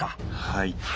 はい。